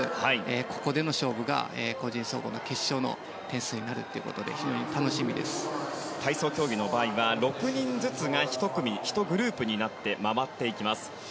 ここでの勝負が個人総合の決勝の点数になるということで体操競技の場合は６人ずつが１グループになって回っていきます。